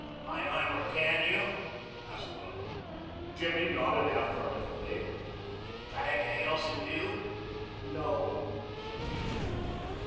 "Feinheimer can you?" asked one of them. Jimmy nodded affirmatively. "Got anything else in view?" "No," said Jimmy.